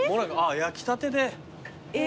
焼きたてで。